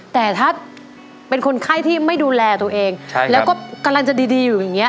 แต่ถ้าเป็นคนไข้ที่ไม่ดูแลตัวเองแล้วก็กำลังจะดีอยู่อย่างเงี้